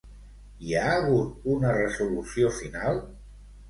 Hi ha hagut una resolució final?